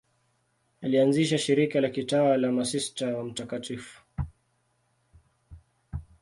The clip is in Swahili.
Alianzisha shirika la kitawa la Masista wa Mt.